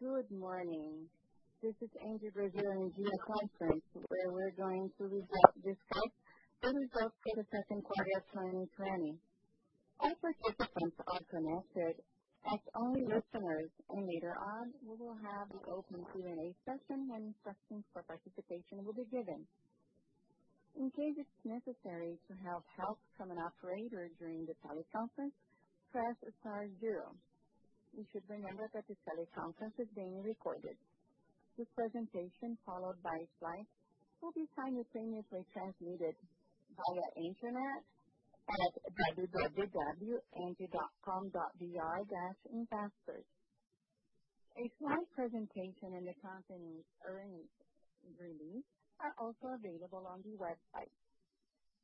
Good morning. This is ENGIE Brasil Energia Conference, where we're going to discuss the results for the second quarter of 2020. All participants are connected as only listeners and later on, we will have the open Q&A session when instructions for participation will be given. In case it's necessary to have help from an operator during the teleconference, press star zero. You should remember that this teleconference is being recorded. This presentation, followed by slides, will be simultaneously transmitted via intranet at www.engie.com.br-investors. A slide presentation and the company's earnings release are also available on the website.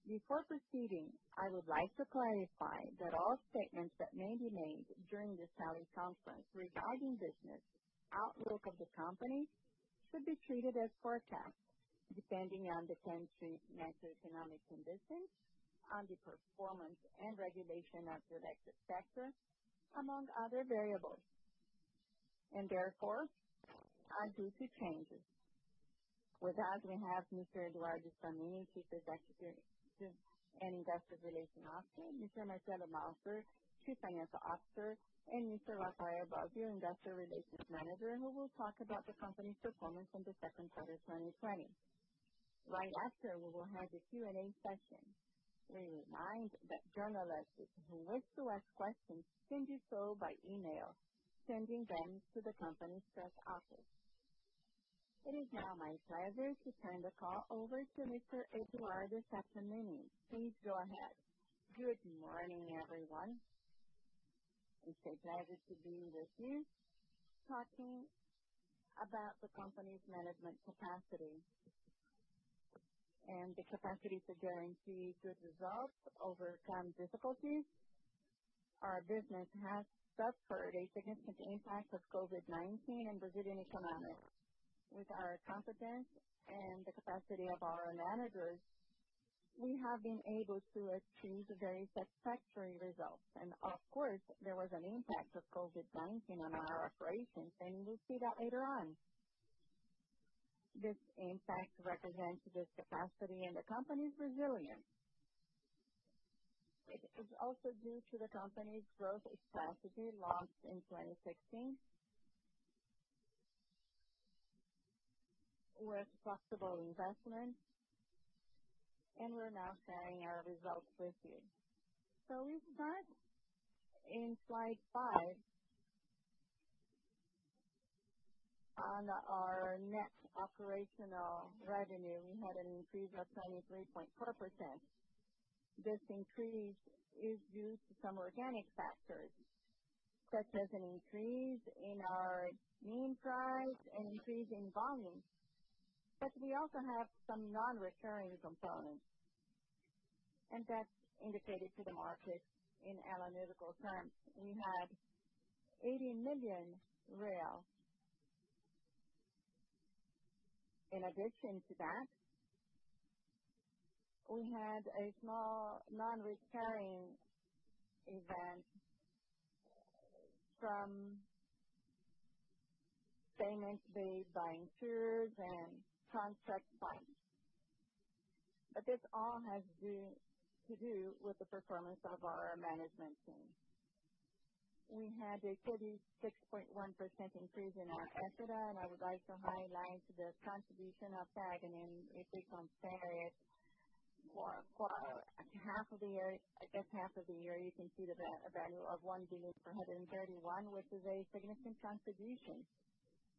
Before proceeding, I would like to clarify that all statements that may be made during this teleconference regarding business outlook of the company should be treated as forecasts, depending on the country's macroeconomic conditions, on the performance and regulation of the electric sector, among other variables, and therefore are due to changes. With that, we have Mr. Eduardo Sattamini, Chief Executive and Investment Relations Officer, Mr. Marcelo Malta, Chief Financial Officer, and Mr. Rafael Bósio, Industrial Relations Manager, who will talk about the company's performance in the second quarter of 2020. Right after, we will have the Q&A session. We remind that journalists who wish to ask questions can do so by email, sending them to the company's press office. It is now my pleasure to turn the call over to Mr. Eduardo Sattamini. Please go ahead. Good morning, everyone. It's a pleasure to be with you. Talking about the company's management capacity and the capacity to guarantee good results, overcome difficulties. Our business has suffered a significant impact of COVID-19 and resilient economics. With our competence and the capacity of our managers, we have been able to achieve very satisfactory results. Of course, there was an impact of COVID-19 on our operations, and you will see that later on. This impact represents the capacity and the company's resilience. It is also due to the company's growth, especially launched in 2016, with flexible investments. We are now sharing our results with you. We start in slide five on our net operational revenue. We had an increase of 23.4%. This increase is due to some organic factors, such as an increase in our mean price and increase in volume. We also have some non-recurring components, and that's indicated to the market in analytical terms. We had 18 million. In addition to that, we had a small non-recurring event from payments made by insurers and contract fines. This all has to do with the performance of our management team. We had a 36.1% increase in our EBITDA, and I would like to highlight the contribution of TAG. If we compare it for half of the year, I guess half of the year, you can see the value of 1.431 billion, which is a significant contribution.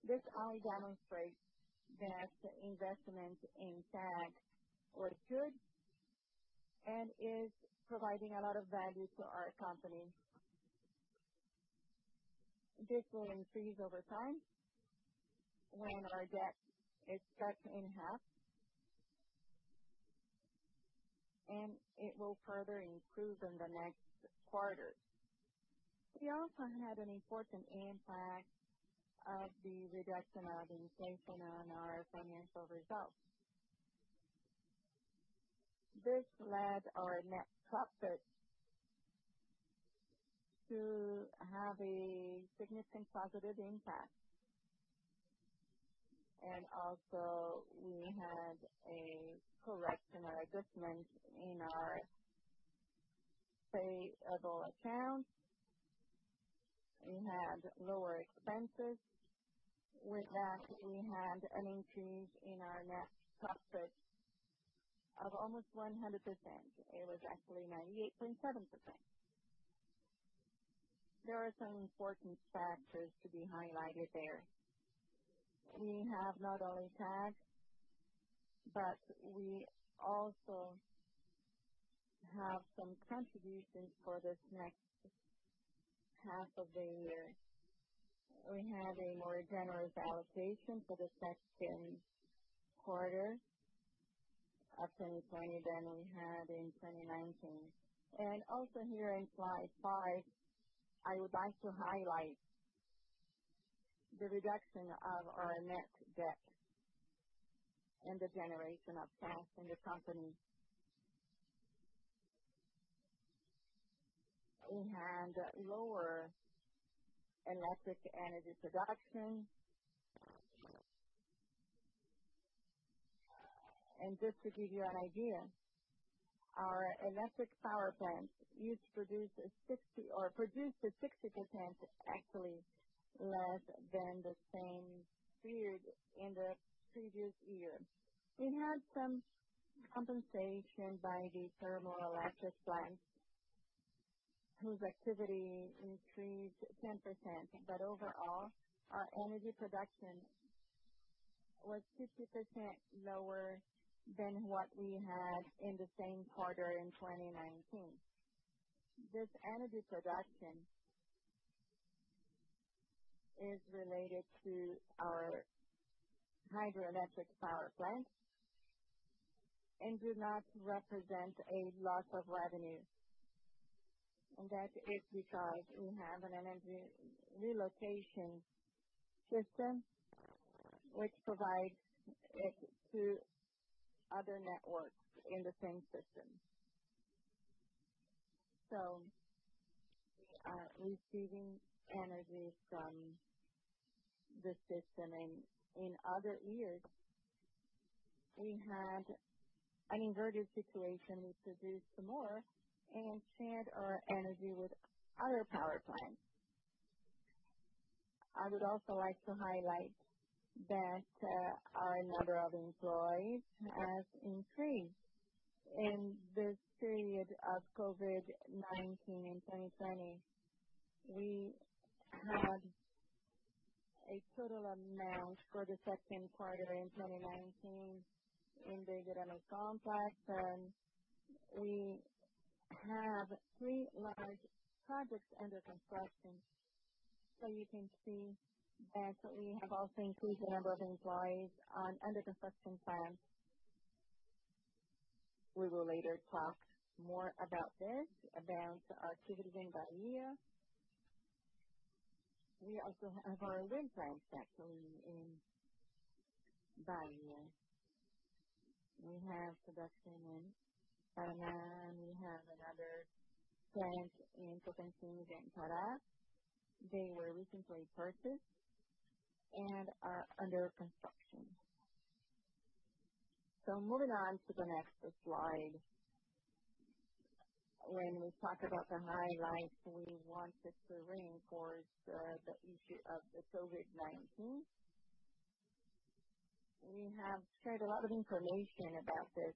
This only demonstrates that investment in TAG was good and is providing a lot of value to our company. This will increase over time when our debt is cut in half, and it will further improve in the next quarter. We also had an important impact of the reduction of inflation on our financial results. This led our net profit to have a significant positive impact. Also, we had a correction or adjustment in our payable accounts. We had lower expenses. With that, we had an increase in our net profit of almost 100%. It was actually 98.7%. There are some important factors to be highlighted there. We have not only TAG, but we also have some contributions for this next half of the year. We had a more generous allocation for the second quarter of 2020 than we had in 2019. Here in slide five, I would like to highlight the reduction of our net debt and the generation of cash in the company. We had lower electric energy production. Just to give you an idea, our electric power plants produced 60% actually less than the same period in the previous year. We had some compensation by the thermal electric plants, whose activity increased 10%. Overall, our energy production was 50% lower than what we had in the same quarter in 2019. This energy production is related to our hydroelectric power plants and does not represent a loss of revenue. That is because we have an energy relocation system which provides it to other networks in the same system, receiving energy from the system. In other years, we had an inverted situation. We produced more and shared our energy with other power plants. I would also like to highlight that our number of employees has increased. In this period of COVID-19 and 2020, we had a total amount for the second quarter in 2019 in the economic complex. We have three large projects under construction. You can see that we have also increased the number of employees on under construction plans. We will later talk more about this, about our activities in Bahia. We also have our wind plants actually in Bahia. We have production in Paraná. We have another plant in Potosí that cut off. They were recently purchased and are under construction. Moving on to the next slide. When we talk about the highlights, we wanted to reinforce the issue of the COVID-19. We have shared a lot of information about this.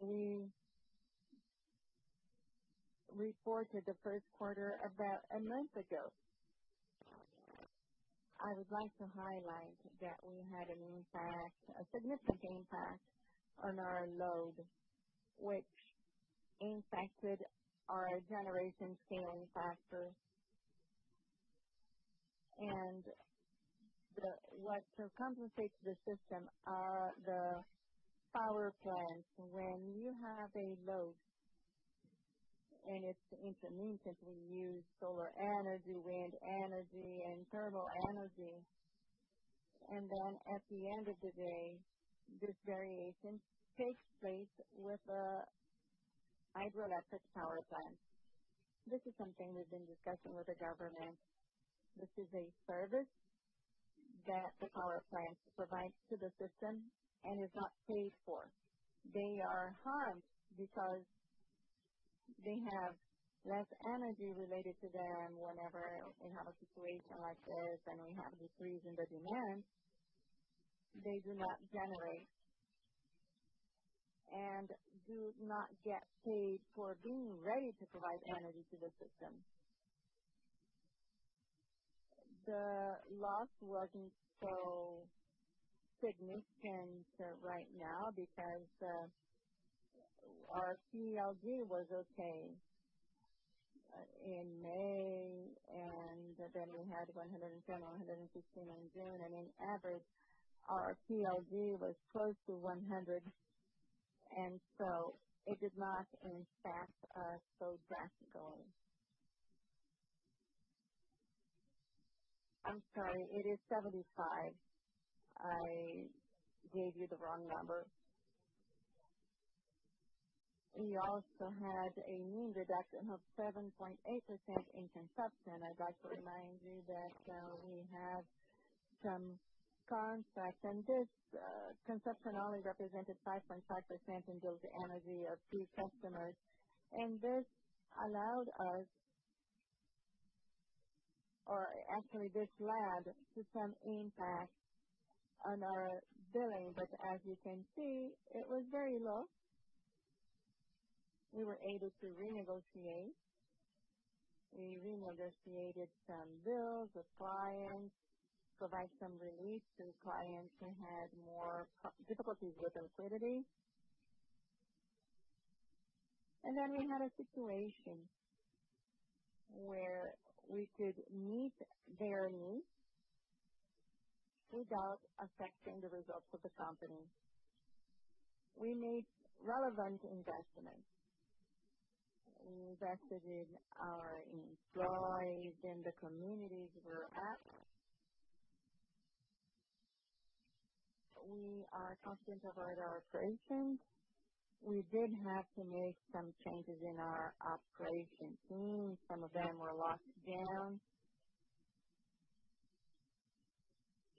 We reported the first quarter about a month ago. I would like to highlight that we had an impact, a significant impact on our load, which impacted our generation scaling factor. What compensates the system are the power plants. When you have a load and it's intermittent, we use solar energy, wind energy, and thermal energy. At the end of the day, this variation takes place with the hydroelectric power plants. This is something we've been discussing with the government. This is a service that the power plants provide to the system and is not paid for. They are harmed because they have less energy related to them whenever we have a situation like this and we have decrease in the demand. They do not generate and do not get paid for being ready to provide energy to the system. The loss was not so significant right now because our PLD was okay in May, and we had 110, 115 in June. In average, our PLD was close to 100. It did not impact us so drastically. I'm sorry, it is 75. I gave you the wrong number. We also had a mean reduction of 7.8% in consumption. I would like to remind you that we have some contracts. This consumption only represented 5.5% in those energy of key customers. This allowed us, or actually this led to some impact on our billing. As you can see, it was very low. We were able to renegotiate. We renegotiated some bills with clients, provide some relief to clients who had more difficulties with liquidity. We had a situation where we could meet their needs without affecting the results of the company. We made relevant investments. We invested in our employees and the communities we are at. We are confident about our operations. We did have to make some changes in our operation team. Some of them were locked down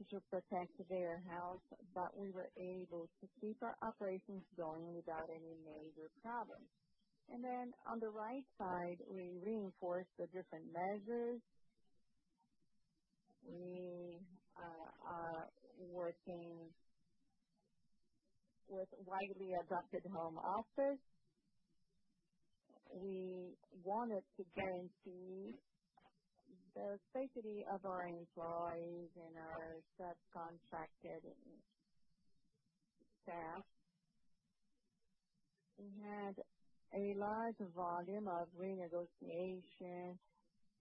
to protect their health, but we were able to keep our operations going without any major problems. On the right side, we reinforced the different measures. We are working with widely adopted home office. We wanted to guarantee the safety of our employees and our subcontracted staff. We had a large volume of renegotiation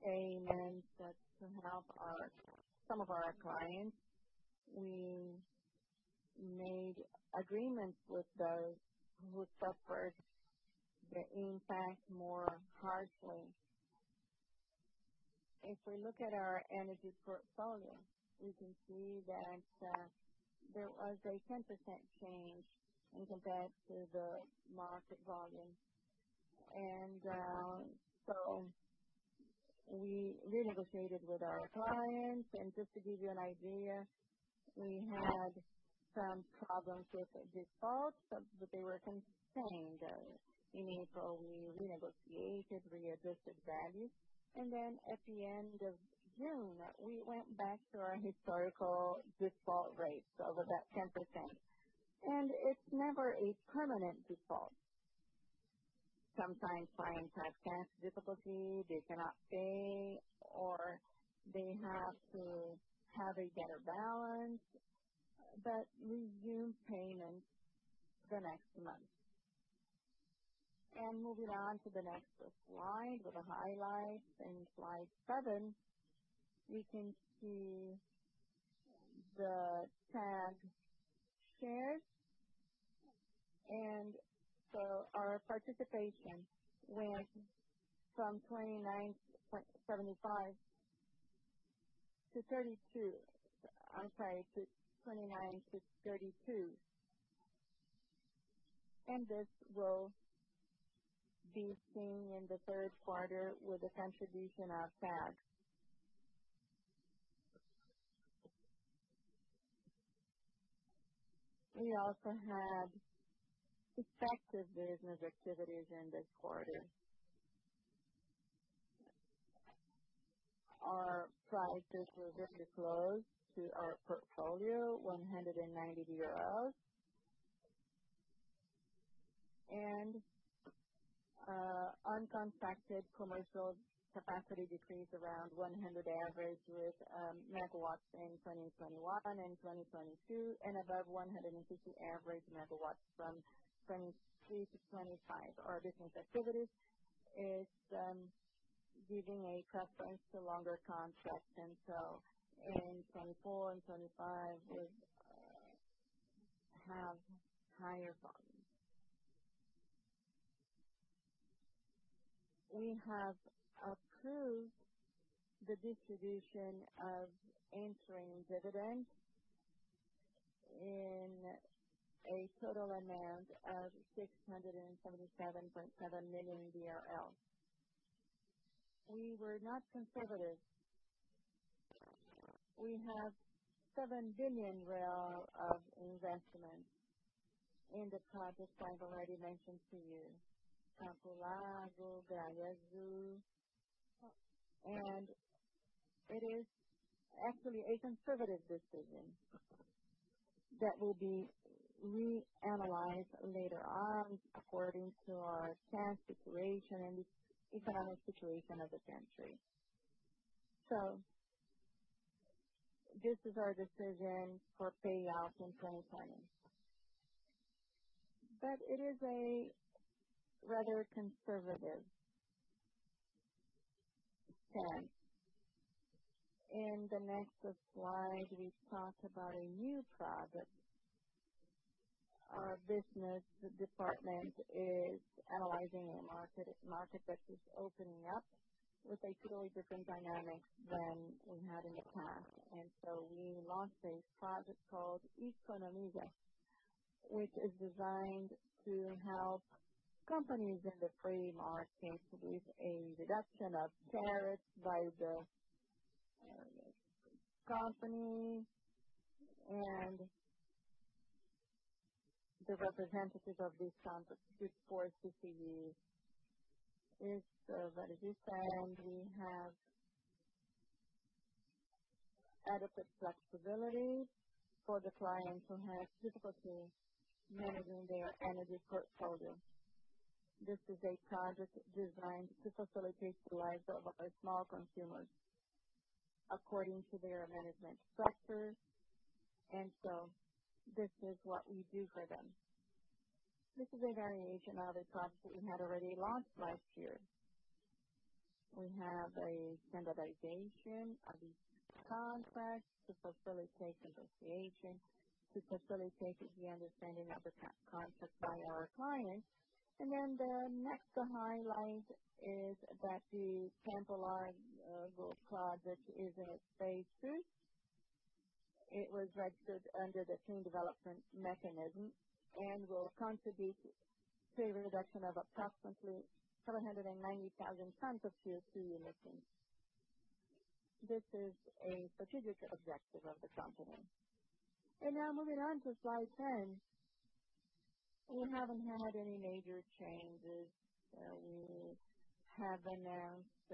payments to help some of our clients. We made agreements with those who suffered the impact more harshly. If we look at our energy portfolio, we can see that there was a 10% change in comparison to the market volume. We renegotiated with our clients. Just to give you an idea, we had some problems with defaults, but they were contained. In April, we renegotiated, readjusted values. At the end of June, we went back to our historical default rates of about 10%. It is never a permanent default. Sometimes clients have cash difficulty. They cannot pay, or they have to have a better balance, but resume payments the next month. Moving on to the next slide with the highlights. In slide seven, we can see the TAG shares. Our participation went from 29.75 to 32. I am sorry, to 29 to 32. This will be seen in the third quarter with the contribution of TAG. We also had suspected business activities in this quarter. Our prices were very close to our portfolio, BRL 190. Uncontracted commercial capacity decreased around 100 average megawatts in 2021 and 2022, and above 150 average megawatts from 2023-2025. Our business activities is giving a preference to longer contracts. In 2024 and 2025, we have higher volumes. We have approved the distribution of interim dividends in a total amount of 677.7 million. We were not conservative. We have 7 billion real of investment in the projects I have already mentioned to you: Campo Largo, Gralha Azul. It is actually a conservative decision that will be reanalyzed later on according to our current situation and the economic situation of the country. This is our decision for payout in 2020. It is a rather conservative plan. In the next slide, we talk about a new project. Our business department is analyzing a market that is opening up with a totally different dynamic than we had in the past. We launched a project called E-conomiza, which is designed to help companies in the free market with a reduction of tariffs by the company. The representative of this contract, Goodforce ECE, is the legislator. We have adequate flexibility for the clients who have difficulty managing their energy portfolio. This is a project designed to facilitate the lives of our small consumers according to their management structure. This is what we do for them. This is a variation of a project that we had already launched last year. We have a standardization of these contracts to facilitate negotiation, to facilitate the understanding of the contract by our clients. The next highlight is that the Campo Largo project is in its phase II. It was registered under the Clean Development Mechanism and will contribute to a reduction of approximately 790,000 tons of CO2 emissions. This is a strategic objective of the company. Now moving on to slide 10, we have not had any major changes. We have announced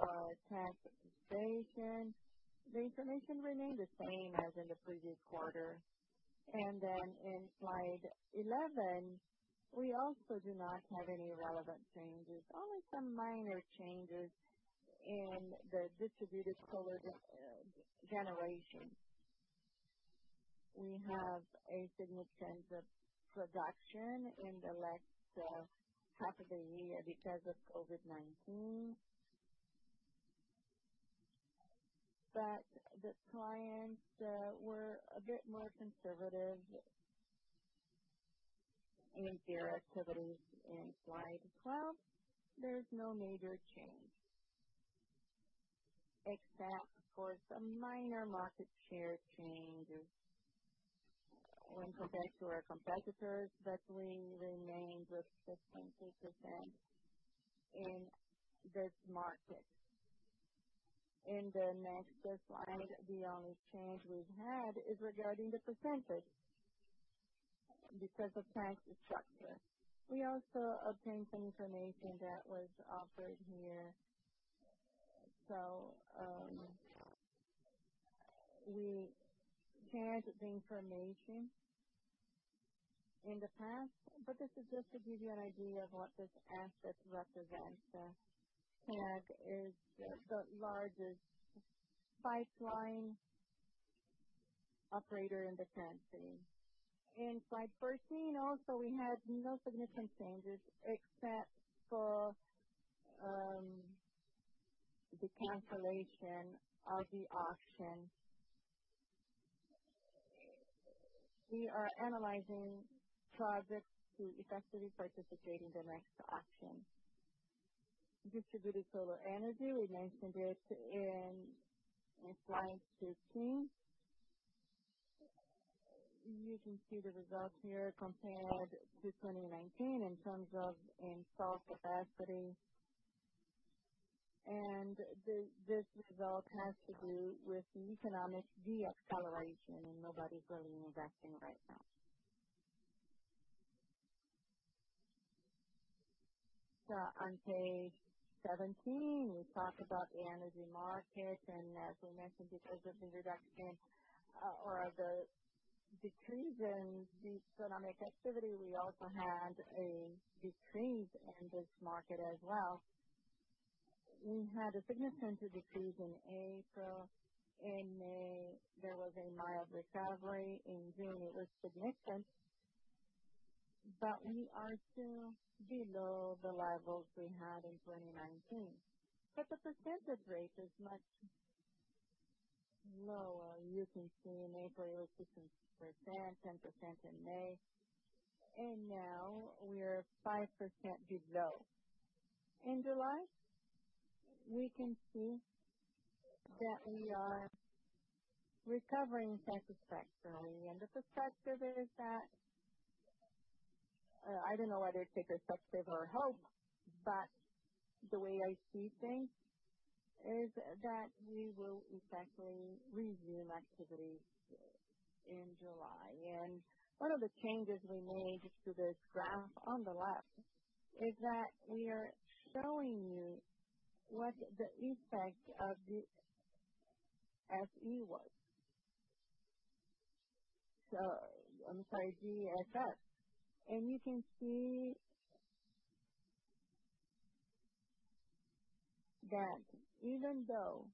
our taxation. The information remained the same as in the previous quarter. In slide 11, we also do not have any relevant changes, only some minor changes in the distributed solar generation. We have a significance of production in the last half of the year because of COVID-19. The clients were a bit more conservative in their activities. In slide 12, there is no major change, except for some minor market share changes when compared to our competitors. We remained with 23% in this market. In the next slide, the only change we've had is regarding the % because of tax structure. We also obtained some information that was offered here. We shared the information in the past, but this is just to give you an idea of what this asset represents. TAG is the largest pipeline operator in the country. In slide 14, also we had no significant changes except for the cancellation of the auction. We are analyzing projects to effectively participate in the next auction. Distributed solar energy, we mentioned it in slide 15. You can see the results here compared to 2019 in terms of installed capacity. This result has to do with the economic de-acceleration. Nobody's really investing right now. On page 17, we talk about the energy market. As we mentioned, because of the reduction or the decrease in the economic activity, we also had a decrease in this market as well. We had a significant decrease in April. In May, there was a mild recovery. In June, it was significant, but we are still below the levels we had in 2019. The percentage rate is much lower. You can see in April, it was 16%, 10% in May. Now we are 5% below. In July, we can see that we are recovering satisfactorily. The perspective is that I do not know whether it is a perspective or hope, but the way I see things is that we will effectively resume activities in July. One of the changes we made to this graph on the left is that we are showing you what the effect of the SE was. I am sorry, GSF. You can see that even though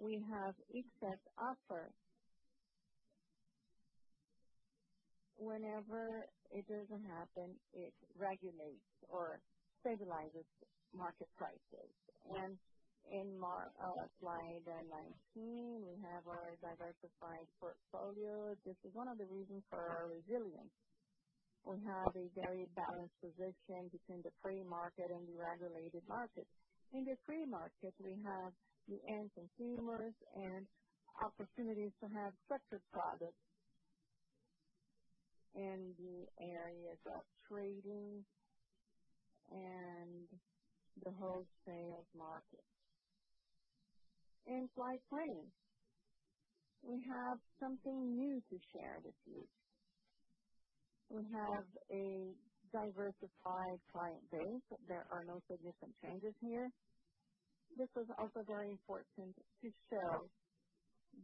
we have excess offer, whenever it does not happen, it regulates or stabilizes market prices. In slide 19, we have our diversified portfolio. This is one of the reasons for our resilience. We have a very balanced position between the free market and the regulated market. In the free market, we have the end consumers and opportunities to have structured products in the areas of trading and the wholesale market. In slide 20, we have something new to share with you. We have a diversified client base. There are no significant changes here. This was also very important to show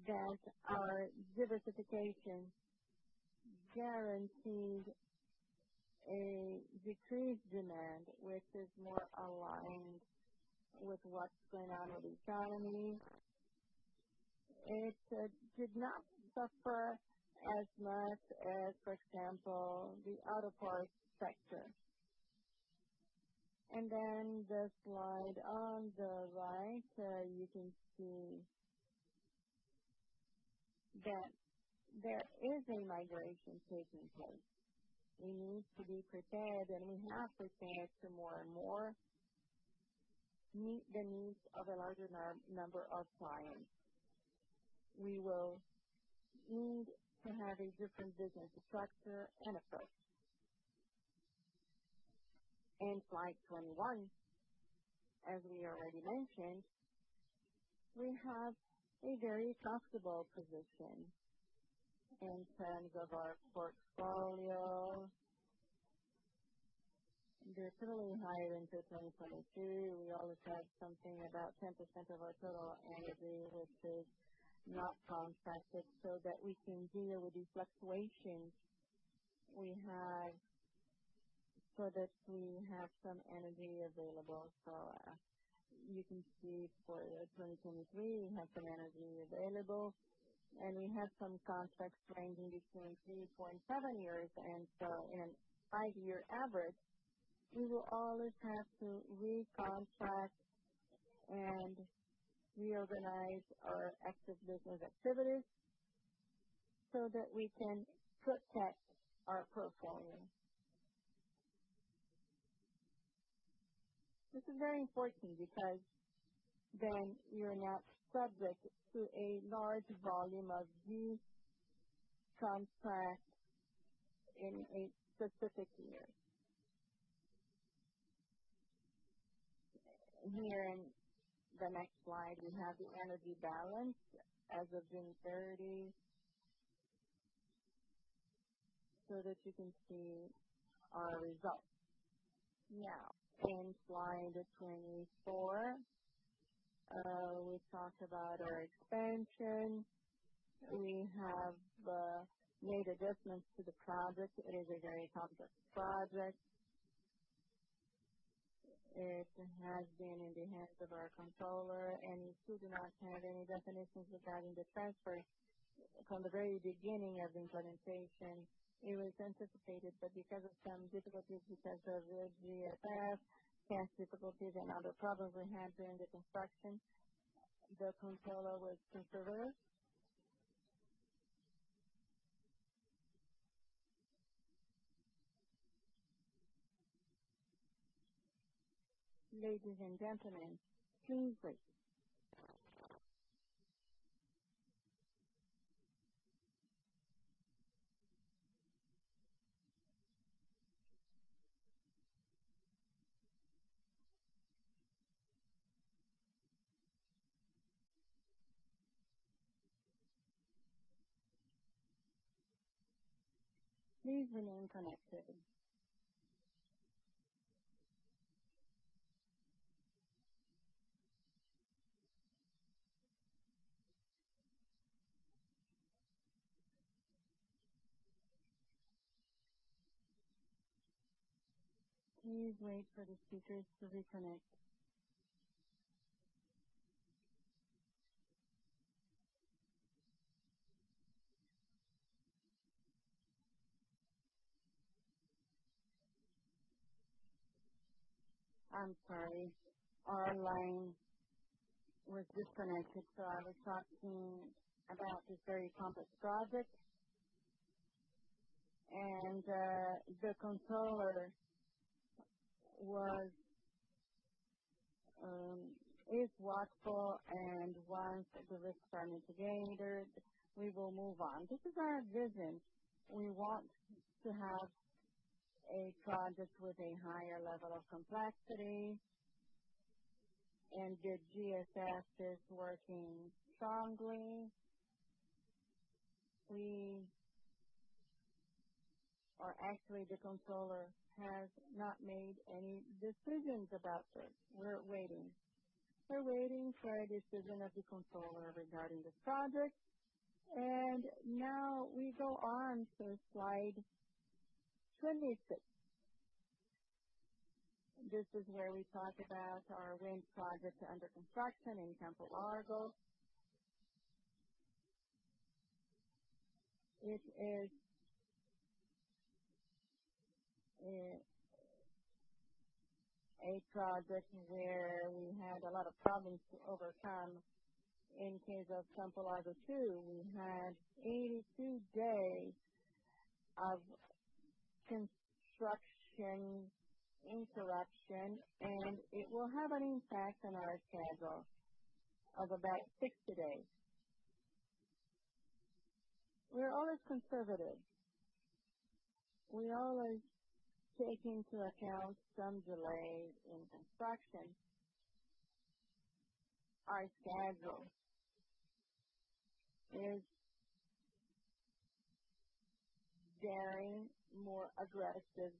that our diversification guaranteed a decreased demand, which is more aligned with what is going on with the economy. It did not suffer as much as, for example, the auto parts sector. The slide on the right, you can see that there is a migration taking place. We need to be prepared, and we have prepared to more and more meet the needs of a larger number of clients. We will need to have a different business structure and approach. In slide 21, as we already mentioned, we have a very profitable position in terms of our portfolio. They are totally higher than 2022. We always have something about 10% of our total energy, which is not contracted, so that we can deal with the fluctuations we have so that we have some energy available. You can see for 2023, we have some energy available, and we have some contracts ranging between 3.7 years. In a five-year average, we will always have to recontact and reorganize our active business activities so that we can protect our portfolio. This is very important because then you're not subject to a large volume of these contracts in a specific year. Here in the next slide, we have the energy balance as of June 30 so that you can see our results. Now, in slide 24, we talk about our expansion. We have made adjustments to the project. It is a very complex project. It has been in the hands of our controller, and we still do not have any definitions regarding the transfer. From the very beginning of implementation, it was anticipated, but because of some difficulties because of the GSF, tax difficulties, and other problems we had during the construction, the controller was conservative. Ladies and gentlemen, please wait. Please remain connected. Please wait for the speakers to reconnect. I'm sorry. Our line was disconnected, so I was talking about this very complex project. The controller is watchful, and once the risk parameter is gained, we will move on. This is our vision. We want to have a project with a higher level of complexity, and the GSS is working strongly. Actually, the controller has not made any decisions about this. We're waiting. We're waiting for a decision of the controller regarding this project. Now we go on to slide 26. This is where we talk about our wind project under construction in Campo Largo. It is a project where we had a lot of problems over time. In case of Campo Largo 2, we had 82 days of construction interruption, and it will have an impact on our schedule of about 60 days. We're always conservative. We always take into account some delays in construction. Our schedule is very more aggressive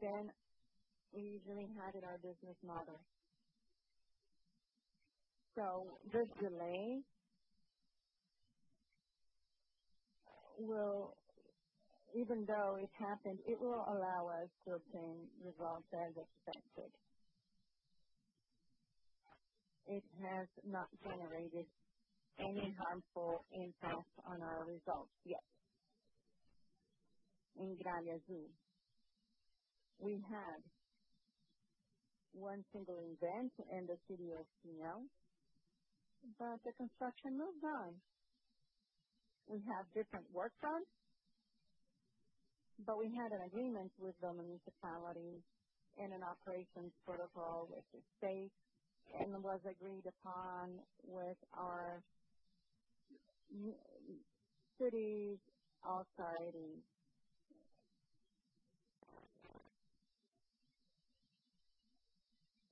than we usually have in our business model. This delay, even though it happened, will allow us to obtain results as expected. It has not generated any harmful impact on our results yet. In Gralha Azul, we had one single event in the city of Pinhão, but the construction moved on. We have different workfronts, but we had an agreement with the municipality and an operations protocol with the state, and it was agreed upon with our city authority. In the Novo Estado project,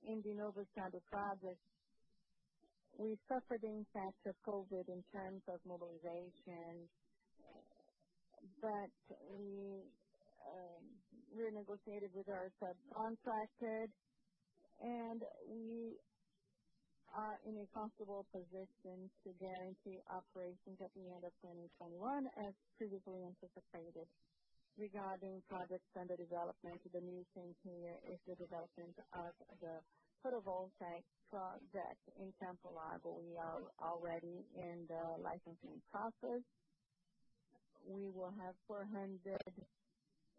we suffered the impact of COVID in terms of mobilization, but we renegotiated with our subcontractor, and we are in a comfortable position to guarantee operations at the end of 2021 as previously anticipated. Regarding projects under development, the new thing here is the development of the photovoltaic project in Campo Largo. We are already in the licensing process. We will have 400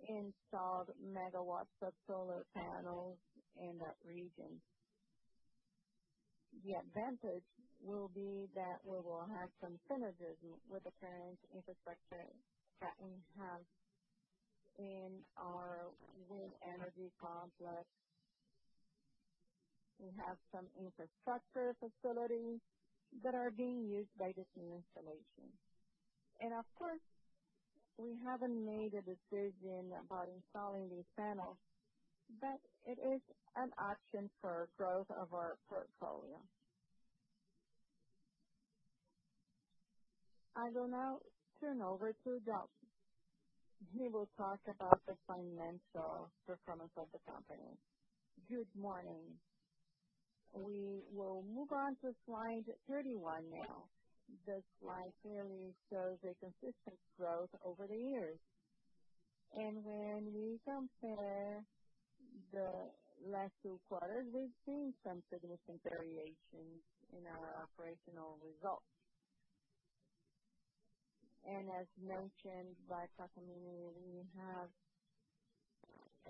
installed megawatts of solar panels in that region. The advantage will be that we will have some synergism with the current infrastructure that we have in our wind energy complex. We have some infrastructure facilities that are being used by this new installation. Of course, we have not made a decision about installing these panels, but it is an option for growth of our portfolio. I will now turn over to [Malta]. He will talk about the financial performance of the company. Good morning. We will move on to slide 31 now. This slide clearly shows a consistent growth over the years. When we compare the last two quarters, we have seen some significant variations in our operational results. As mentioned by Sattamini, we have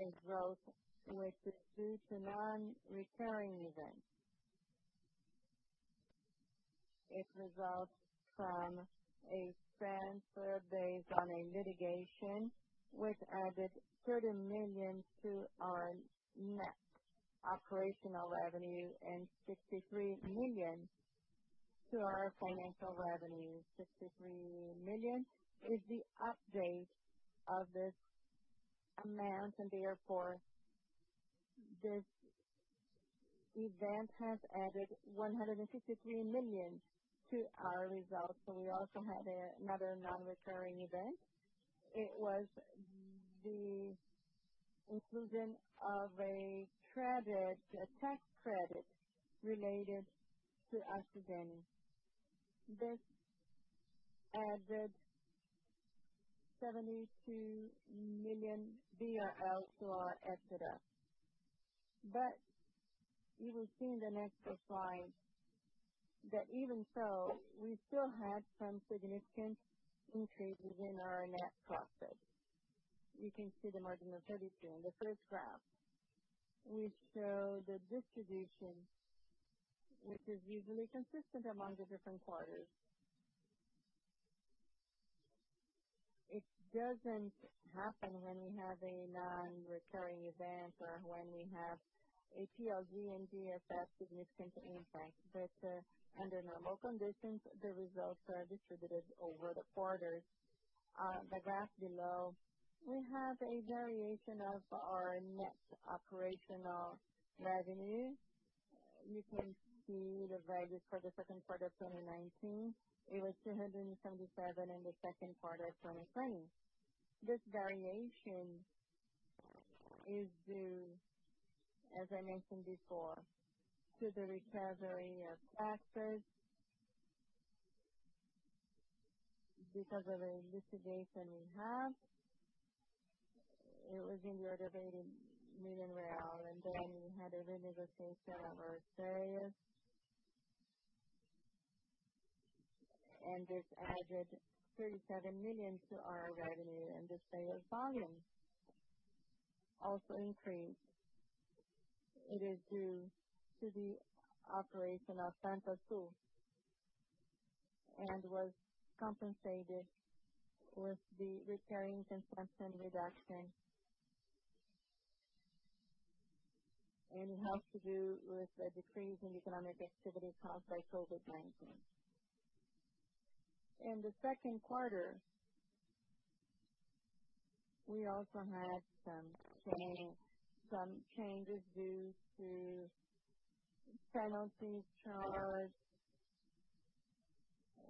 a growth which is due to non-recurring events. It results from a transfer based on a litigation which added 30 million to our net operational revenue and 63 million to our financial revenue. 63 million is the update of this amount, and therefore this event has added 163 million to our results. We also had another non-recurring event. It was the inclusion of a tax credit related to [ACDEn]. This added 72 million BRL to our EBITDA. You will see in the next slide that even so, we still had some significant increases in our net profit. You can see the margin of 32 in the first graph. We show the distribution, which is usually consistent among the different quarters. It does not happen when we have a non-recurring event or when we have a PLD and GSF significant impact, but under normal conditions, the results are distributed over the quarters. On the graph below, we have a variation of our net operational revenue. You can see the value for the second quarter of 2019. It was 277 million in the second quarter of 2020. This variation is due, as I mentioned before, to the recovery of taxes because of the litigation we have. It was in the order of BRL 80 million, and then we had a renegotiation of our sales, and this added 37 million to our revenue, and this sales volume also increased. It is due to the operation of Pampa Sul and was compensated with the recurring consumption reduction, and it has to do with the decrease in economic activity caused by COVID-19. In the second quarter, we also had some changes due to penalties charged.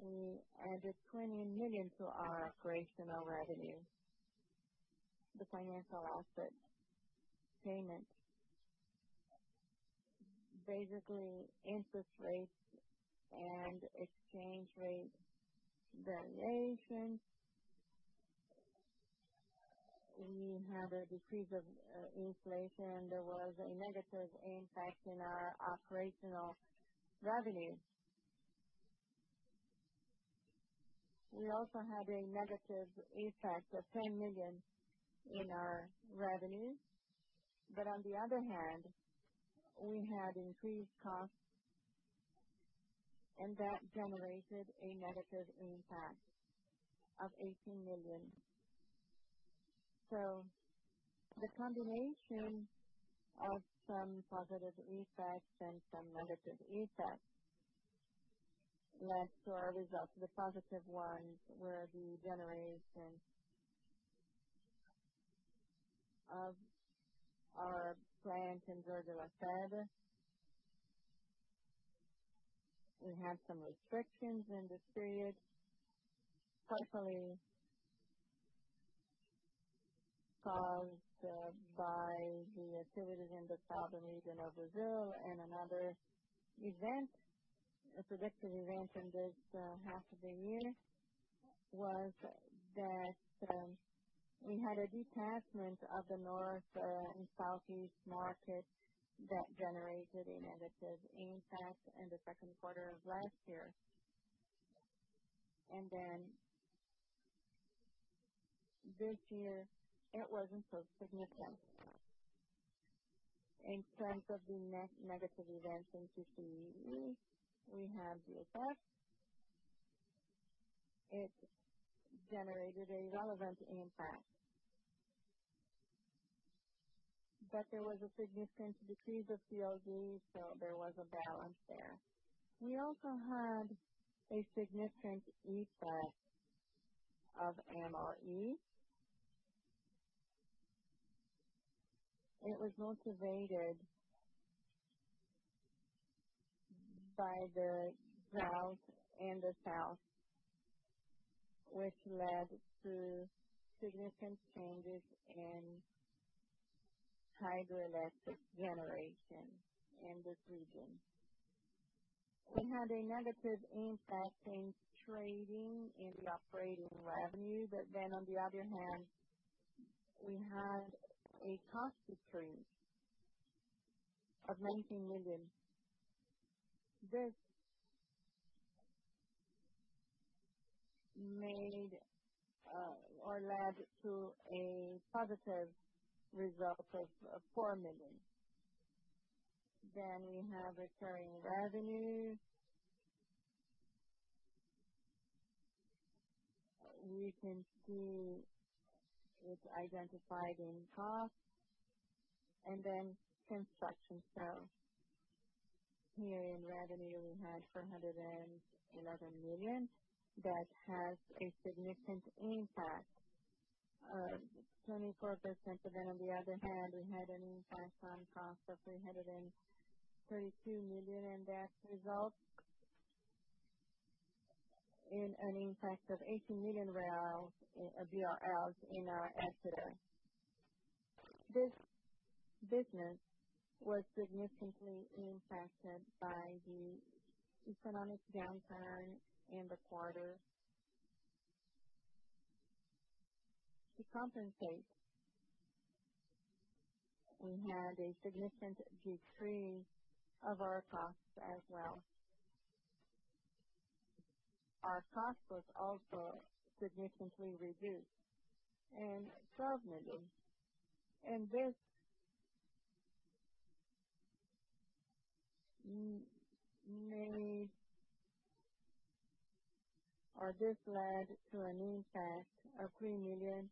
We added 20 million to our operational revenue. The financial asset payment, basically interest rates and exchange rate variation. We had a decrease of inflation, and there was a negative impact in our operational revenue. We also had a negative impact of 10 million in our revenue, but on the other hand, we had increased costs, and that generated a negative impact of 18 million. The combination of some positive impacts and some negative impacts led to our results. The positive ones were the generation of our plant in Jorge Lacerda. We had some restrictions in this period, partially caused by the activities in the southern region of Brazil. Another event, a predictive event in this half of the year, was that we had a detachment of the north and southeast market that generated a negative impact in the second quarter of last year. This year, it was not so significant. In terms of the net negative events in QCE, we had GSF. It generated a relevant impact, but there was a significant decrease of PLD, so there was a balance there. We also had a significant impact of MRE. It was motivated by the south and the south, which led to significant changes in hydroelectric generation in this region. We had a negative impact in trading in the operating revenue, but then on the other hand, we had a cost decrease of 19 million. This led to a positive result of 4 million. Then we have recurring revenue. We can see it's identified in cost. And then construction sales. Here in revenue, we had 411 million that has a significant impact, 24%. But then on the other hand, we had an impact on cost of 332 million, and that resulted in an impact of 18 million BRL in our EBITDA. This business was significantly impacted by the economic downturn in the quarter. To compensate, we had a significant decrease of our costs as well. Our cost was also significantly reduced in BRL 12 million. This led to an impact of 3 million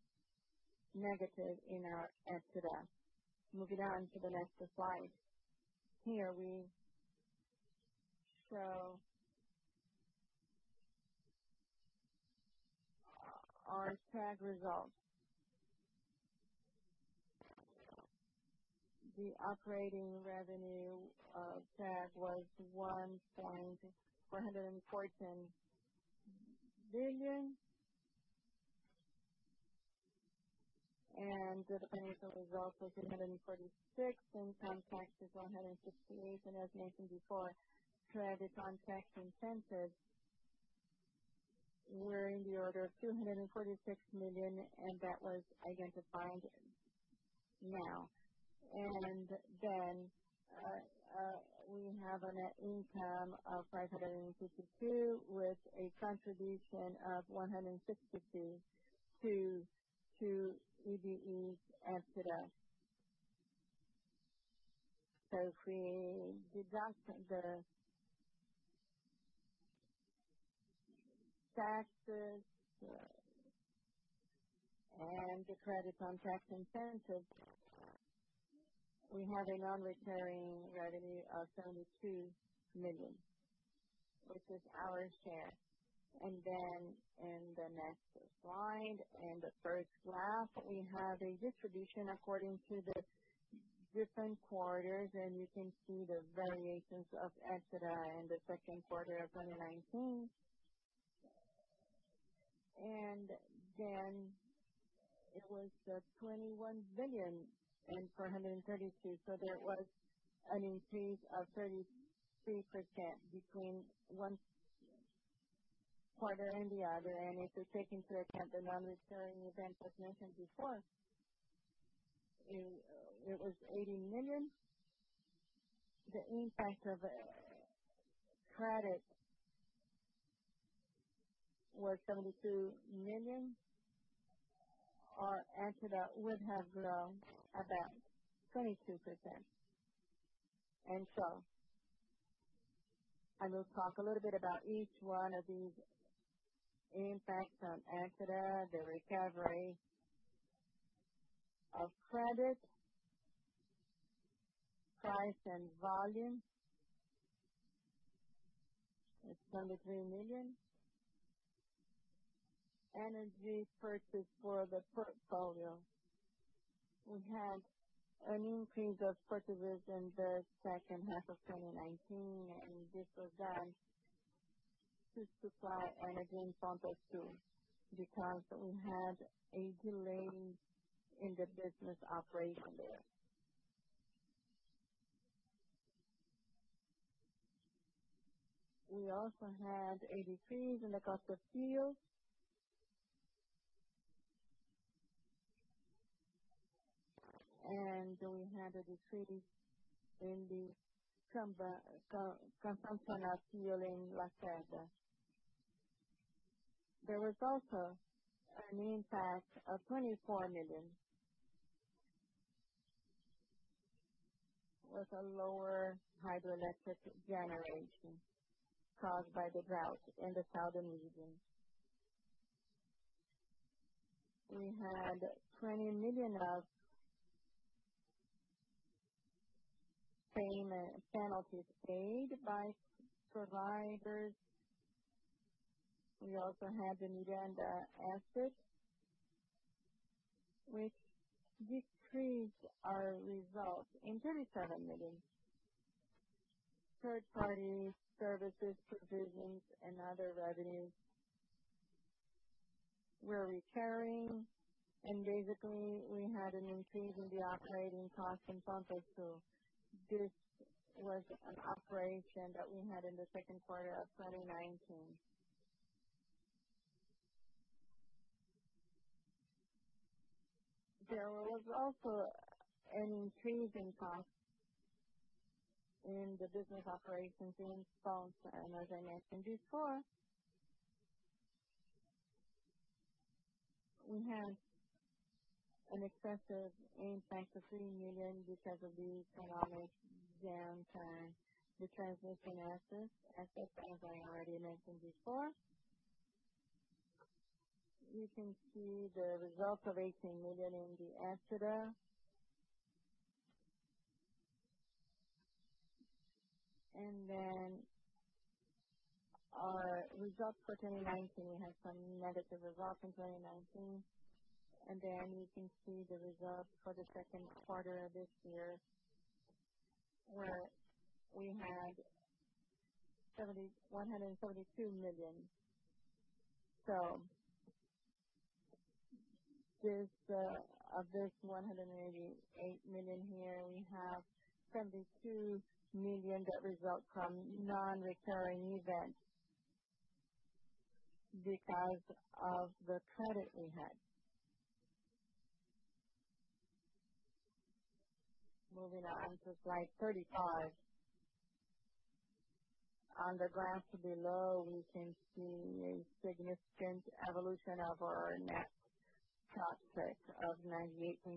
negative in our EBITDA. Moving on to the next slide. Here we show our TAG results. The operating revenue of TAG was BRL 1.414 billion, and the financial result was 246 million. Income taxes, 168 million. As mentioned before, credit on tax incentives were in the order of 246 million, and that was identified now. We have a net income of 552 million with a contribution of 162 million to EBE's EBITDA. If we deduct the taxes and the credit on tax incentives, we have a non-recurring revenue of 72 million, which is our share. In the next slide and the first graph, we have a distribution according to the different quarters, and you can see the variations of EBITDA in the second quarter of 2019. It was 21.432 billion, so there was an increase of 33% between one quarter and the other. If we take into account the non-recurring events as mentioned before, it was 80 million. The impact of credit was BRL 72 million. Our EBITDA would have grown about 22%. I will talk a little bit about each one of these impacts on EBITDA, the recovery of credit, price, and volume. It is BRL 23 million. Energy purchase for the portfolio. We had an increase of purchases in the second half of 2019, and this was done to supply energy in Pampa Sul because we had a delay in the business operation there. We also had a decrease in the cost of fuels, and we had a decrease in the consumption of fuel in Lafayette. There was also an impact of BRL 24 million with a lower hydroelectric generation caused by the drought in the southern region. We had 20 million of payment penalties paid by providers. We also had the Miranda assets, which decreased our results by BRL 37 million. Third-party services, provisions, and other revenues were recurring, and basically we had an increase in the operating costs in Pampa Sul. This was an operation that we had in the second quarter of 2019. There was also an increase in costs in the business operations in Pampa. As I mentioned before, we had an excessive impact of 3 million because of the economic downturn. The transmission assets, as I already mentioned before, you can see the result of 18 million in the EBITDA. Our results for 2019, we had some negative results in 2019. You can see the results for the second quarter of this year where we had 172 million. Of this 188 million here, we have 72 million that result from non-recurring events because of the credit we had. Moving on to slide 35. On the graph below, we can see a significant evolution of our net cost of 98.7%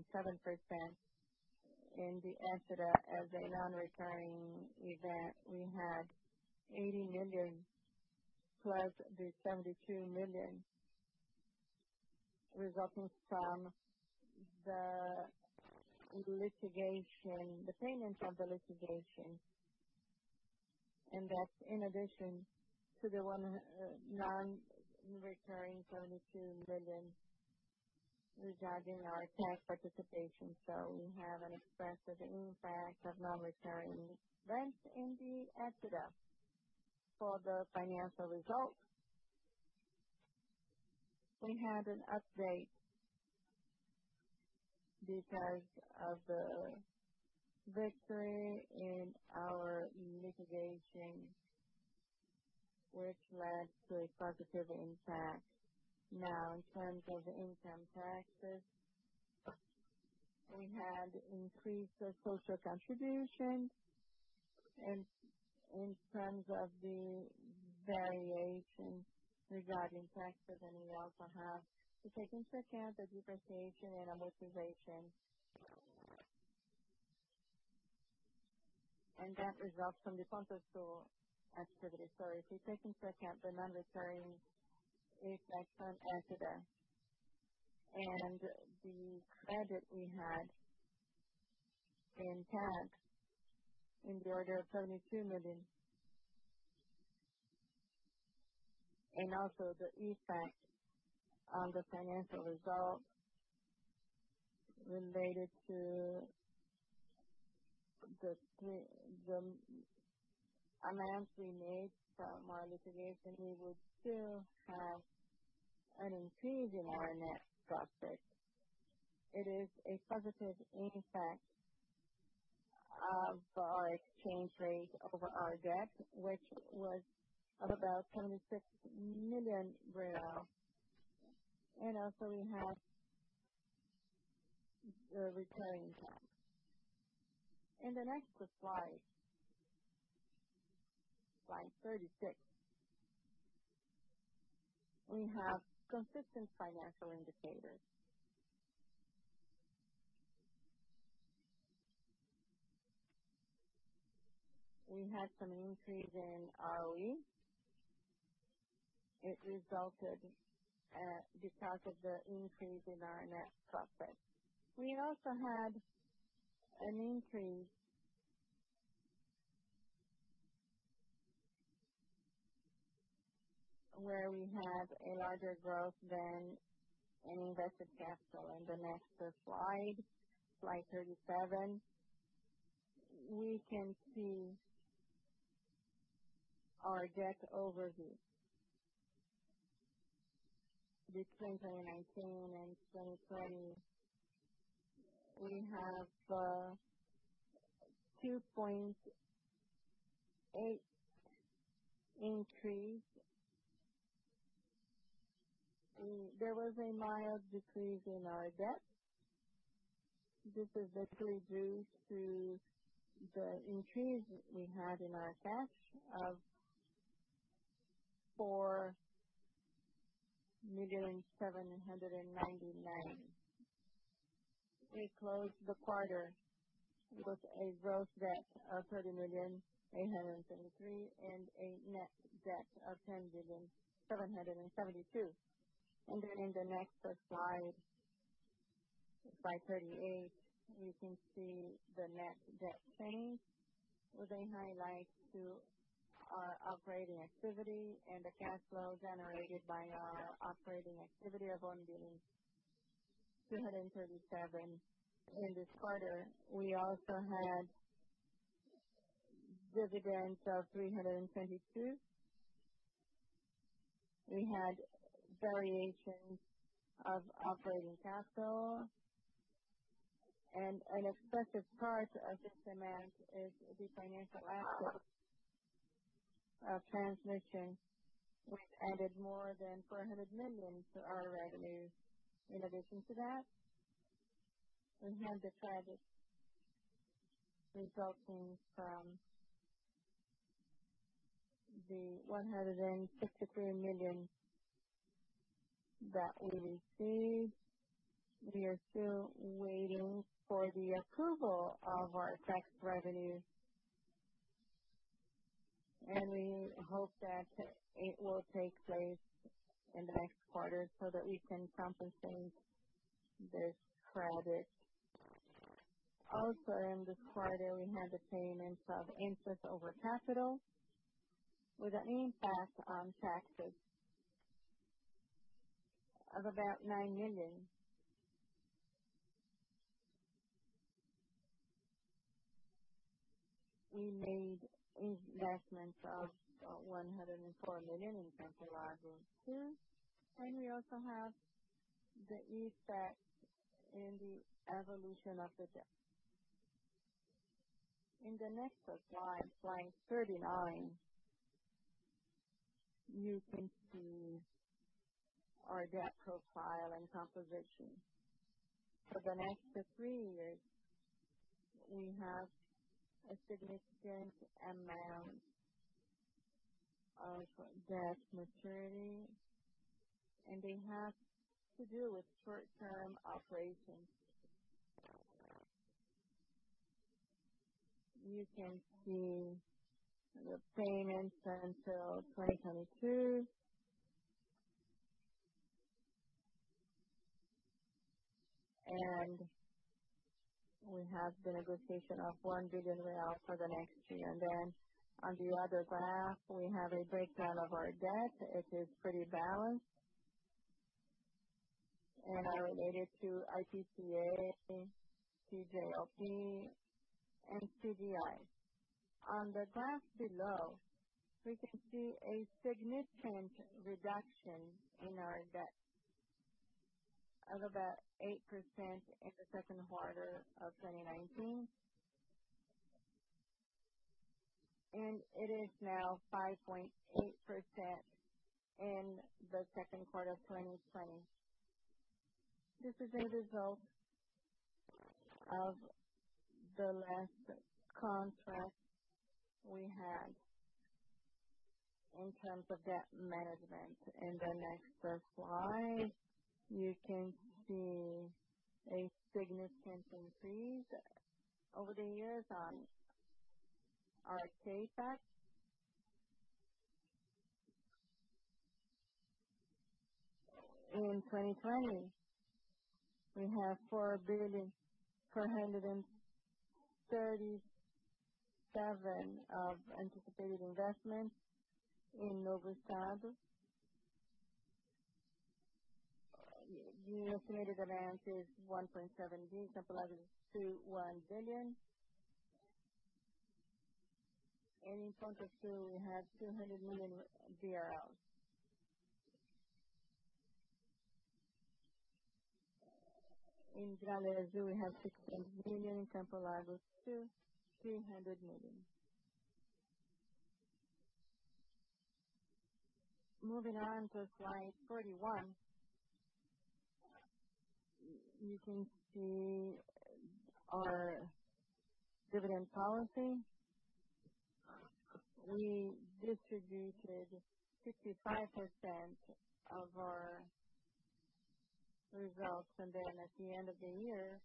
in the EBITDA. As a non-recurring event, we had 80 million plus the 72 million resulting from the litigation, the payment of the litigation. That is in addition to the non-recurring 72 million regarding our tax participation. We have an excessive impact of non-recurring events in the EBITDA. For the financial result, we had an update because of the victory in our litigation, which led to a positive impact. Now, in terms of income taxes, we had increased social contributions. In terms of the variation regarding taxes, we also have to take into account the depreciation and amortization. That results from the Pampa Sul activity. If we take into account the non-recurring impact from ETDA and the credit we had in tax in the order of 72 million, and also the impact on the financial result related to the amounts we made from our litigation, we would still have an increase in our net profit. It is a positive impact of our exchange rate over our debt, which was of about 76 million real. We also have the recurring tax. In the next slide, slide 36, we have consistent financial indicators. We had some increase in ROE. It resulted because of the increase in our net profit. We also had an increase where we had a larger growth than any invested capital. In the next slide, slide 37, we can see our debt overview between 2019 and 2020. We have a BRL 2.8 million increase. There was a mild decrease in our debt. This is basically due to the increase we had in our cash of 4,799 million. We closed the quarter with a gross debt of 30.873 million and a net debt of 10.772 million. In the next slide, slide 38, you can see the net debt trending with a highlight to our operating activity and the cash flow generated by our operating activity of 1.237 billion. In this quarter, we also had dividends of 322 million. We had variations of operating capital, and an excessive part of this amount is the financial assets of transmission, which added more than 400 million to our revenue. In addition to that, we had the credit resulting from the 163 million that we received. We are still waiting for the approval of our tax revenues, and we hope that it will take place in the next quarter so that we can compensate this credit. Also, in this quarter, we had the payments of interest over capital with an impact on taxes of about BRL 9 million. We made investments of 104 million in Campo Largo 2. We also have the effect in the evolution of the debt. In the next slide, slide 39, you can see our debt profile and composition. For the next three years, we have a significant amount of debt maturity, and they have to do with short-term operations. You can see the payments until 2022, and we have the negotiation of 1 billion real for the next year. On the other graph, we have a breakdown of our debt. It is pretty balanced and related to IPCA, TJLP, and CDI. On the graph below, we can see a significant reduction in our debt of about 8% in the second quarter of 2019, and it is now 5.8% in the second quarter of 2020. This is a result of the last contract we had in terms of debt management. In the next slide, you can see a significant increase over the years on our CapEX. In 2020, we have 4.437 billion of anticipated investment in Novo Esado. The estimated amount is 1.7 billion, capital added to 1 billion. In Pampa Sul, we have 200 million. In Gralha Azul, we have 600 million in Campo Largo 2 300 million. Moving on to slide 41, you can see our dividend policy. We distributed 55% of our results, and at the end of the year,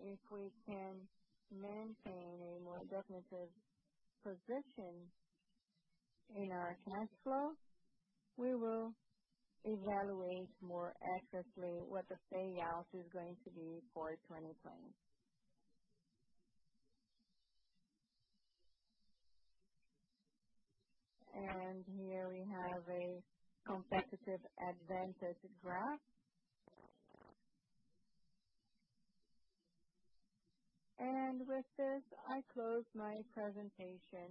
if we can maintain a more definitive position in our cash flow, we will evaluate more accurately what the payout is going to be for 2020. Here we have a competitive advantage graph. With this, I close my presentation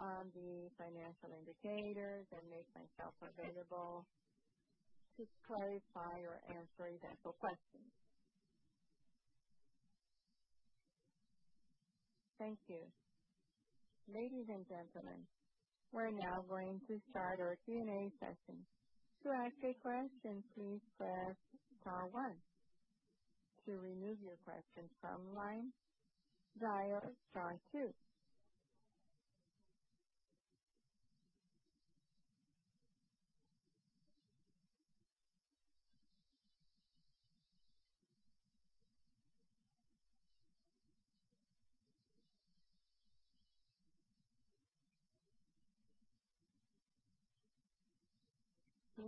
on the financial indicators and make myself available to clarify or answer any additional questions. Thank you. Ladies and gentlemen, we're now going to start our Q&A session. To ask a question, please press star one. To remove your question from the line, dial star two.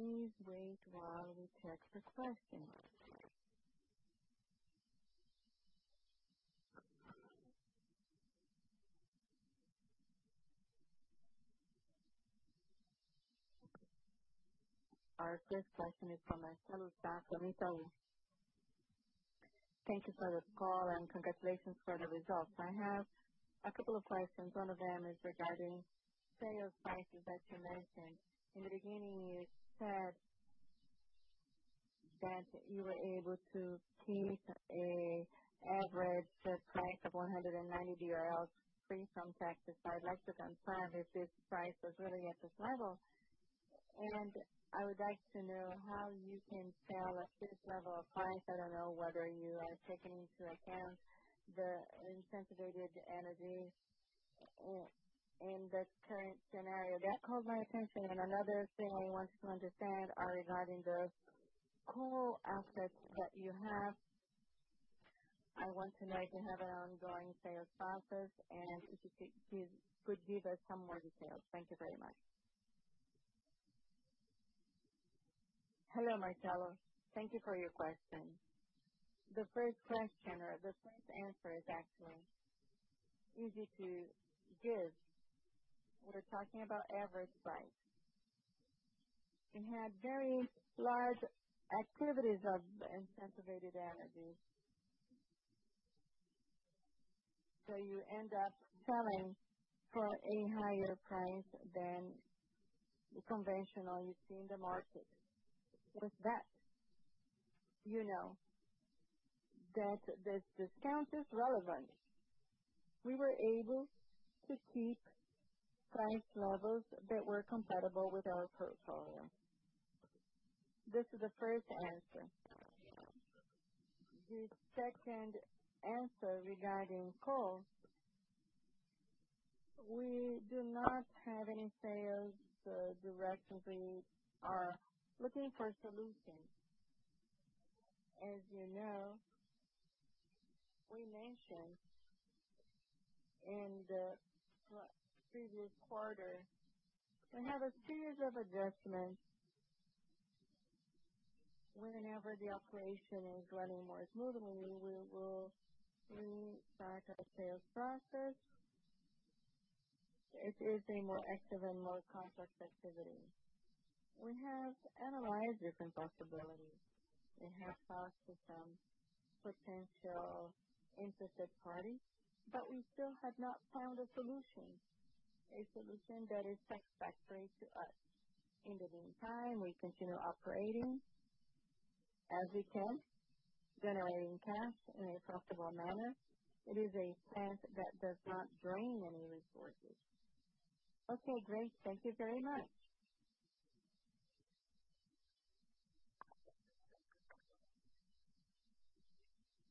Please wait while we take the question. Our first question is from Marcelo Sá, from Itau. Thank you for the call and congratulations for the results. I have a couple of questions. One of them is regarding sales prices that you mentioned. In the beginning, you said that you were able to keep an average price of 190 free from taxes. I'd like to confirm if this price was really at this level, and I would like to know how you can sell at this level of price. I don't know whether you are taking into account the incentivated energy in the current scenario. That caught my attention. Another thing I wanted to understand regarding the core assets that you have. I want to know if you have an ongoing sales process and if you could give us some more details. Thank you very much. Hello, Marcelo. Thank you for your question. The first question or the first answer is actually easy to give. We're talking about average price. We had very large activities of incentivated energy. So you end up selling for a higher price than the conventional you see in the market. With that, you know that this discount is relevant. We were able to keep price levels that were compatible with our portfolio. This is the first answer. The second answer regarding cost, we do not have any sales direct. And we are looking for a solution. As you know, we mentioned in the previous quarter, we have a series of adjustments. Whenever the operation is running more smoothly, we will retrack our sales process. It is a more active and more complex activity. We have analyzed different possibilities. We have talked to some potential interested parties, but we still have not found a solution, a solution that is satisfactory to us. In the meantime, we continue operating as we can, generating cash in a profitable manner. It is a plant that does not drain any resources. Okay, great. Thank you very much.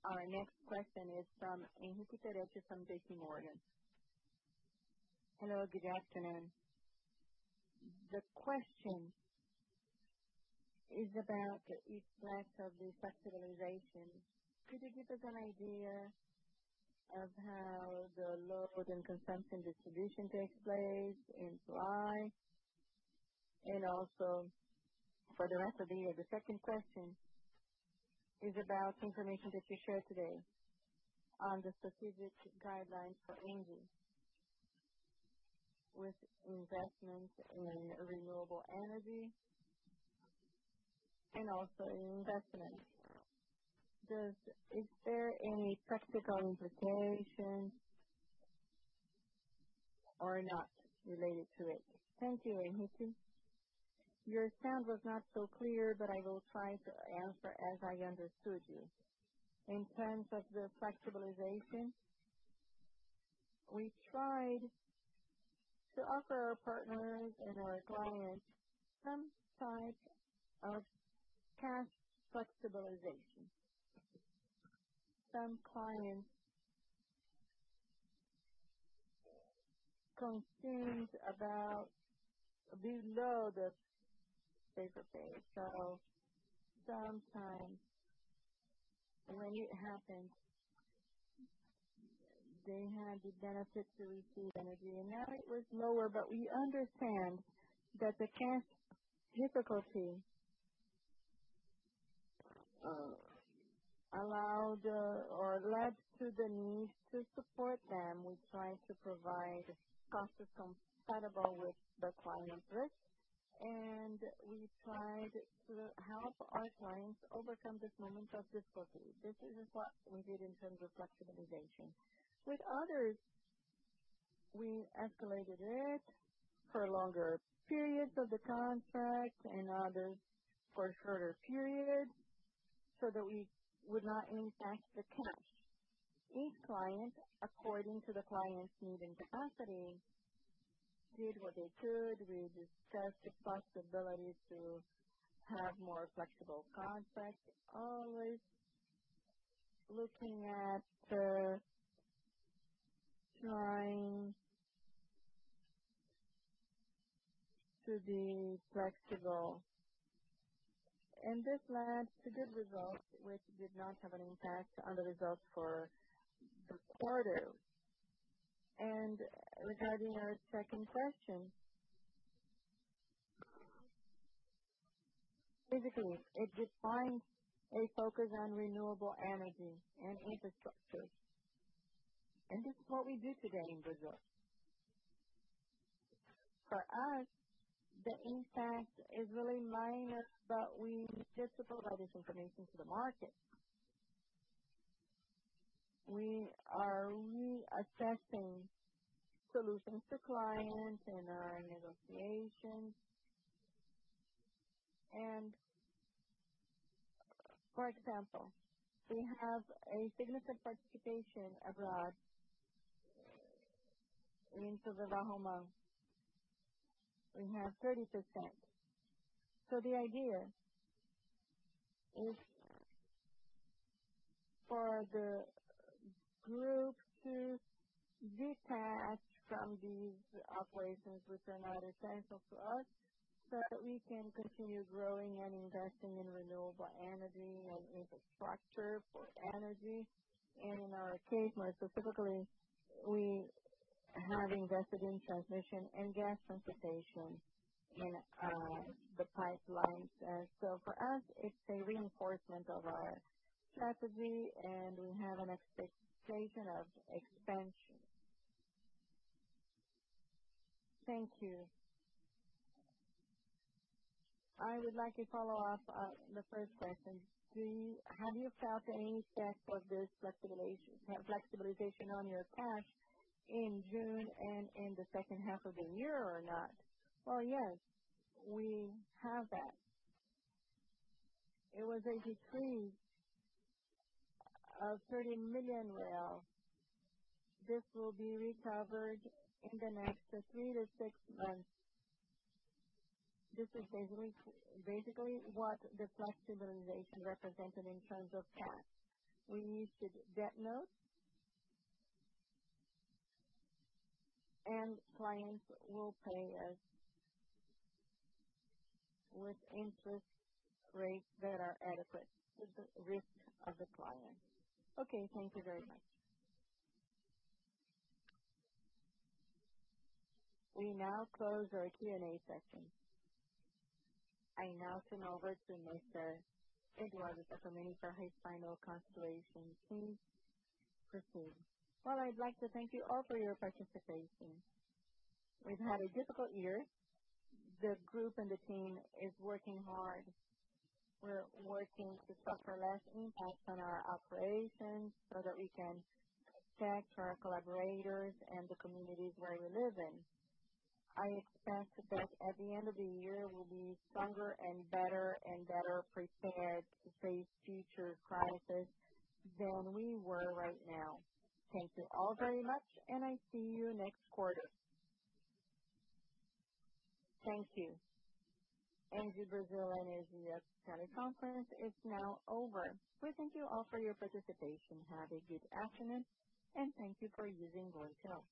Our next question is from Henrique Peretti from JP Morgan. Hello, good afternoon. The question is about the effect of the flexibilization. Could you give us an idea of how the load and consumption distribution takes place in July and also for the rest of the year? The second question is about information that you shared today on the strategic guidelines for energy with investments in renewable energy and also investments. Is there any practical implications or not related to it? Thank you, Henrique. Your sound was not so clear, but I will try to answer as I understood you. In terms of the flexibilization, we tried to offer our partners and our clients some type of cash flexibilization. Some clients consumed about below the basic rate. Sometimes when it happened, they had the benefit to receive energy. Now it was lower, but we understand that the cash difficulty allowed or led to the need to support them. We tried to provide costs that are compatible with the client's risk, and we tried to help our clients overcome this moment of difficulty. This is what we did in terms of flexibilization. With others, we escalated it for longer periods of the contract and others for shorter periods so that we would not impact the cash. Each client, according to the client's need and capacity, did what they could. We discussed the possibility to have more flexible contracts, always looking at trying to be flexible. This led to good results, which did not have an impact on the results for the quarter. Regarding our second question, basically, it defines a focus on renewable energy and infrastructure. This is what we do today in Brazil. For us, the impact is really minor, but we needed to provide this information to the market. We are reassessing solutions to clients and our negotiations. For example, we have a significant participation abroad into [the Bahamas]. We have 30%. The idea is for the group to detach from these operations, which are not essential to us, so that we can continue growing and investing in renewable energy and infrastructure for energy. In our case, more specifically, we have invested in transmission and gas transportation in the pipelines. For us, it's a reinforcement of our strategy, and we have an expectation of expansion. Thank you. I would like to follow up on the first question. Have you felt any effect of this flexibilization on your cash in June and in the second half of the year or not? Yes, we have that. It was a decrease of 30 million. This will be recovered in the next three to six months. This is basically what the flexibilization represented in terms of cash. We issued debt notes, and clients will pay us with interest rates that are adequate to the risk of the client. Thank you very much. We now close our Q&A session. I now turn over to Mr. Eduardo Sattamini for his final consideration. Please proceed. I'd like to thank you all for your participation. We've had a difficult year. The group and the team are working hard. We're working to suffer less impact on our operations so that we can protect our collaborators and the communities where we live in. I expect that at the end of the year, we'll be stronger and better and better prepared to face future crises than we were right now. Thank you all very much, and I see you next quarter. Thank you. ENGIE Brasil Energia Teleconference is now over. We thank you all for your participation. Have a good afternoon, and thank you for using [BlueTel].